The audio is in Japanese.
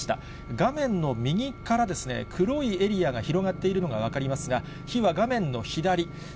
画面の右から黒いエリアが広がっているのが分かりますが、火は画面の左。